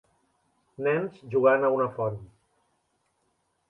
Nens jugant a una font.